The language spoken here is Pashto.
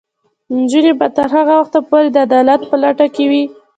نجونې به تر هغه وخته پورې د عدالت په لټه کې وي.